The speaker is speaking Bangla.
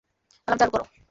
অ্যালার্ম চালু করো।